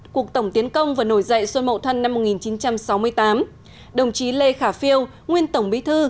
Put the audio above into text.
cuộc tổng tiến công và nổi dậy xuân mậu thân năm một nghìn chín trăm sáu mươi tám đồng chí lê khả phiêu nguyên tổng bí thư